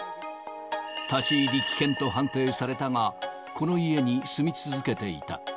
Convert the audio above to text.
立ち入り危険と判定されたが、この家に住み続けていた。